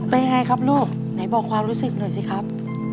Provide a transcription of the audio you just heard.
เป็นยังไงครับลูกไหนบอกความรู้สึกหน่อยสิครับ